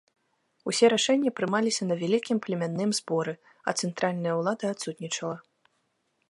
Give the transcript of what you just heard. Усе рашэнні прымаліся на вялікім племянным зборы, а цэнтральная ўлада адсутнічала.